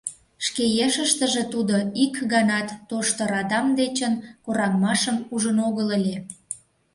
Шке ешыштыже тудо ик ганат тошто радам дечын кораҥмашым ужын огыл ыле.